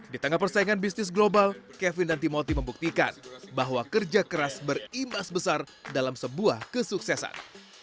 di tengah persaingan bisnis global kevin dan timoti membuktikan bahwa kerja keras berimbas besar dalam sebuah kesuksesan